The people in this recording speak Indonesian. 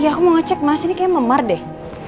ya aku mau ngecek mas ini kayaknya memar deh